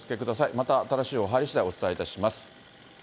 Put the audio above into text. また新しい情報入りしだい、お伝えいたします。